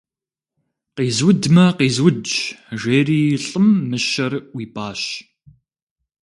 Къизудмэ, къизудщ, - жери лӏым мыщэр ӏуипӏащ.